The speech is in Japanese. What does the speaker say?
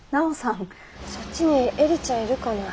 そっちに映里ちゃんいるかな。